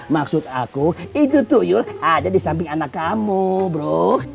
maksud aku itu tuh yul ada di samping anak kamu bro